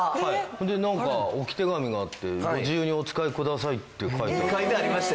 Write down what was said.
それで置き手紙があって「ご自由にお使いください」って書いてあった。